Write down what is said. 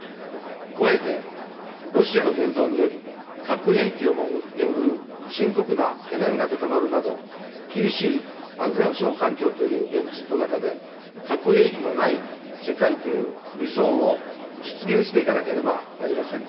加えて、ロシアの言動により、核兵器を巡る深刻な懸念が高まるなど、厳しい安全保障環境という現実の中で、核兵器のない世界という理想を実現していかなければなりません。